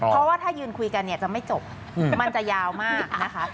เพราะว่าถ้ายืนคุยกันเนี่ยจะไม่จบมันจะยาวมากนะคะ